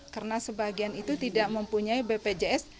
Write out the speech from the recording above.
karena sebagian itu tidak mempunyai bpjs